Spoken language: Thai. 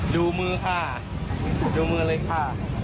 ดูมือค่ะดูมือเลยค่ะ